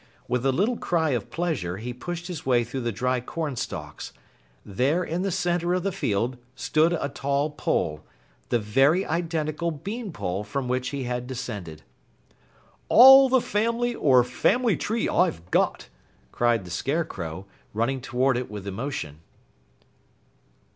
With a little cry of pleasure, he pushed his way through the dry cornstalks. There in the center of the field stood a tall pole the very identical bean pole from which he had descended. "All the family or family tree I've got!" cried the Scarecrow, running toward it with emotion.